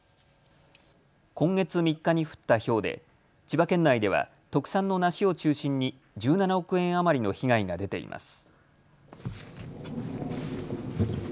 今月３日に降ったひょうで千葉県内では特産の梨を中心に１７億円余りの被害が出ています。